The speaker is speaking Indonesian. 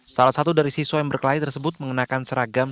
salah satu dari siswa yang berkelahi tersebut mengenakan seragam